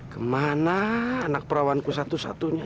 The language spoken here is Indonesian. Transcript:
kemana anak perawanku satu satunya